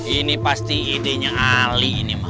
ini pasti idenya ali ini mas